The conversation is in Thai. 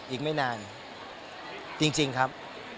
อีกไม่นานจริงครับ